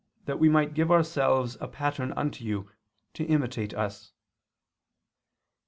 . that we might give ourselves a pattern unto you, to imitate us."